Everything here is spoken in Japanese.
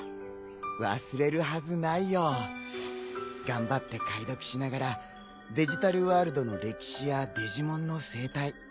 頑張って解読しながらデジタルワールドの歴史やデジモンの生態。